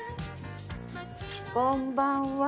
こんばんは。